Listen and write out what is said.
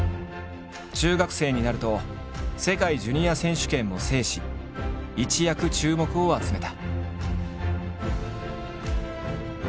中学生になると世界ジュニア選手権も制し一躍注目を集めた。